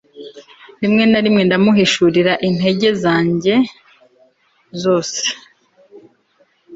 Rimwe na rimwe ndamuhishurira intege nke zanjye zose